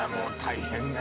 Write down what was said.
大変ね